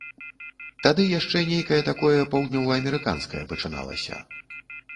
Тады яшчэ нейкае такое паўднёваамерыканскае пачыналася.